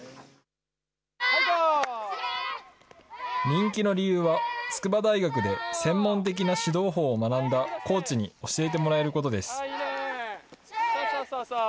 人気の理由は、筑波大学で専門的な指導法を学んだコーチに教えてもらえることです。